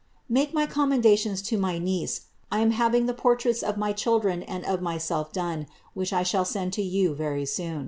♦* Make my commendations to my tiiV«v.* I am having the portraits of my children and of myself done, which I c^hall send to you very soon.'